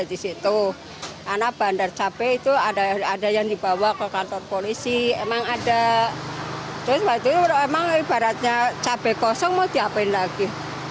ibaratnya cabai kosong mau diapain lagi